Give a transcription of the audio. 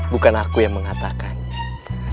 bukan aku yang mengatakannya